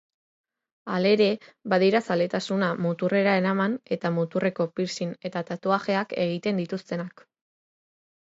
Halere, badira zaletasuna muturrera eraman eta muturreko piercing eta tatuajeak egiten dituztenak.